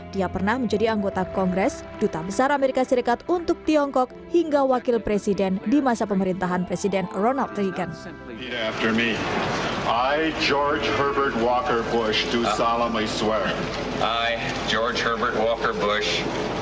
dia pernah menjadi anggota kongres duta besar amerika serikat untuk tiongkok hingga wakil presiden di masa pemerintahan presiden ronald trigan